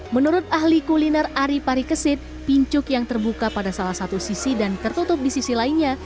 menurut ahli kuliner ari parikesit pincuk yang terbuka pada salah satu sisi dan tertutup di sisi lainnya